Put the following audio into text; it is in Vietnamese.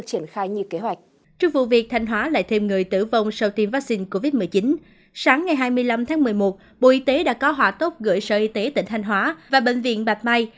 sáng ngày hai mươi năm tháng một mươi một bộ y tế đã có hỏa tốc gửi sở y tế tỉnh thanh hóa và bệnh viện bạch mai